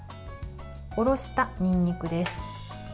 おろしたにんにくです。